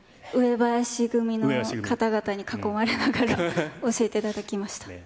上林組の方々に囲まれながら教えていただきました。